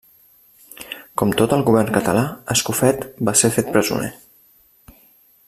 Com tot el govern català, Escofet va ser fet presoner.